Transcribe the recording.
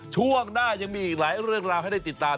ช่วงหน้ายังมีอีกหลายเรื่องราวให้ได้ติดตาม